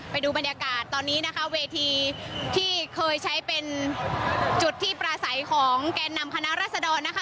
ไปดูบรรยากาศตอนนี้นะคะเวทีที่เคยใช้เป็นจุดที่ปราศัยของแกนนำคณะรัศดรนะคะ